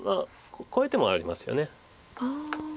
こういう手もありますよね。